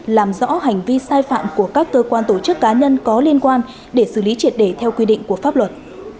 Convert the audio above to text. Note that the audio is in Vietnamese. làm rõ hành vi sai phạm của các cơ quan tổ chức cá nhân có liên quan để xử lý triệt để theo quy định của pháp luật